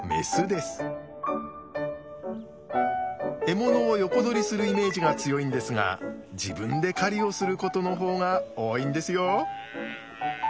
獲物を横取りするイメージが強いんですが自分で狩りをすることの方が多いんですよ。